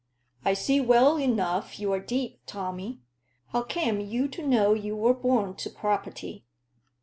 "I see well enough you're deep, Tommy. How came you to know you were born to property?"